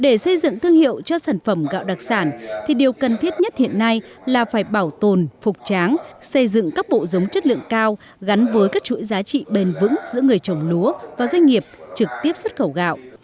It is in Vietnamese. để xây dựng thương hiệu cho sản phẩm gạo đặc sản thì điều cần thiết nhất hiện nay là phải bảo tồn phục tráng xây dựng các bộ giống chất lượng cao gắn với các chuỗi giá trị bền vững giữa người trồng lúa và doanh nghiệp trực tiếp xuất khẩu gạo